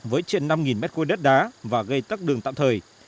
với trên năm m ba đất đá và gây tắc đường tạm thời